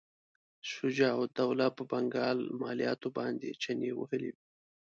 شجاع الدوله په بنګال مالیاتو باندې چنې وهلې وې.